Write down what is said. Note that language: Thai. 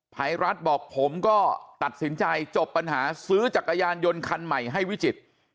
ภัยรัฐบอกผมก็ตัดสินใจจบปัญหาซื้อจักรยานยนต์คันใหม่ให้วิจิตร